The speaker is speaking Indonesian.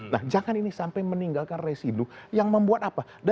nah jangan ini sampai meninggalkan residu yang membuat apa